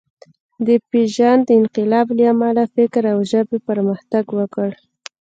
د پېژاند انقلاب له امله فکر او ژبې پرمختګ وکړ.